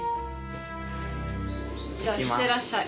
じゃあ行ってらっしゃい。